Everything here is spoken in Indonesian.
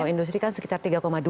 kalau industri kan sekitar tiga dua ya